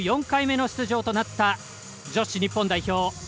４回目の出場となった女子日本代表。